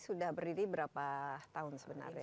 sudah berdiri berapa tahun sebenarnya